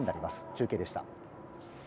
中継でした。